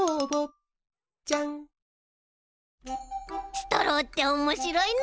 ストローっておもしろいな。